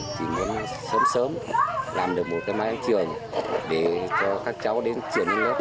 chỉ muốn sớm sớm làm được một cái mái trường để cho các cháu đến trường lên lớp